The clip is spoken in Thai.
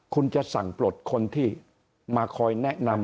คุณจะสั่งปลดคนที่มาคอยแนะนำ